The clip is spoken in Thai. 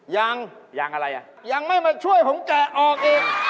ยังยังอะไรอ่ะยังไม่มาช่วยผมแกะออกเอง